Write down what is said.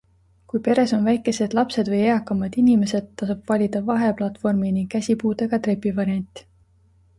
Kui peres on väikesed lapsed või eakamad inimesed, tasub valida vaheplatvormi ning käsipuudega trepivariant.